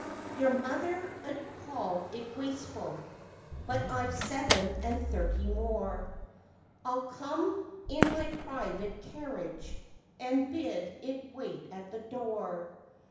Your mother 'ud call it wasteful, but I've seven and thirty more; I'll come in my private carriage and bid it wait at the door....